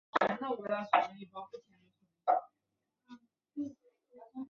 新教堂。